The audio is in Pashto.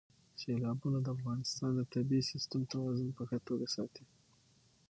سیلابونه د افغانستان د طبعي سیسټم توازن په ښه توګه ساتي.